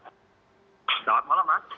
selamat malam mas